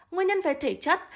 nguyên nhân về thể chất